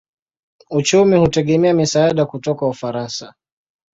Uchumi hutegemea misaada kutoka Ufaransa.